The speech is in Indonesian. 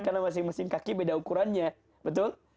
karena masing masing kaki beda ukurannya betul